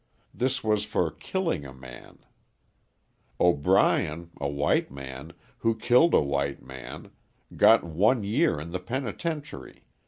This was for killing a man. O'Brien, a white man, who killed a white man, got one year in the penitentiary.